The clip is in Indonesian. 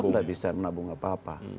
tidak bisa menabung apa apa